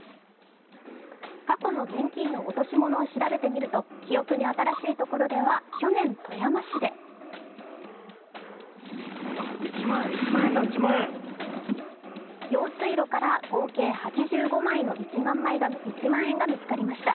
過去の現金の落とし物を調べてみると、記憶に新しいところでは去年、富山市で用水路から合計８５枚の１万円が見つかりました。